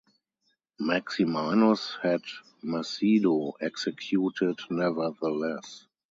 Maximinus had Macedo executed nevertheless.